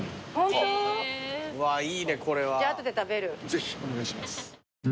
ぜひお願いします。